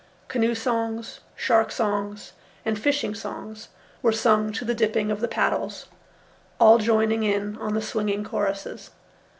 Canoe songs, shark songs, and fishing songs were sung to the dipping of the paddles, all joining in on the swinging choruses.